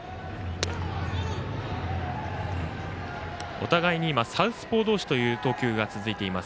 お互いにサウスポー同士という投球が続いています。